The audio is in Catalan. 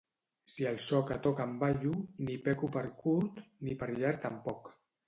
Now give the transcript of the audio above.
Si al so que toquen ballo, ni peco per curt, ni per llarg tampoc.